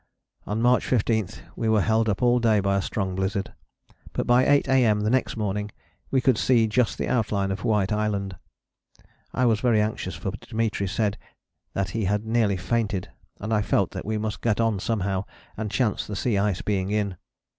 On March 15 we were held up all day by a strong blizzard. But by 8 A.M. the next morning we could see just the outline of White Island. I was very anxious, for Dimitri said that he had nearly fainted, and I felt that we must get on somehow, and chance the sea ice being in.